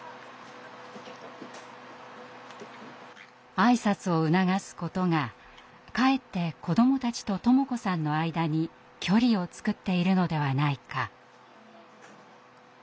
挨拶を促すことがかえって子どもたちと智子さんの間に距離を作っているのではないか。